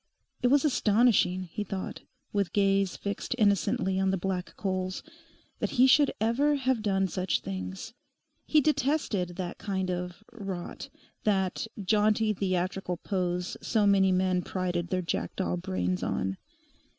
It was astonishing, he thought, with gaze fixed innocently on the black coals, that he should ever have done such things. He detested that kind of 'rot'; that jaunty theatrical pose so many men prided their jackdaw brains on.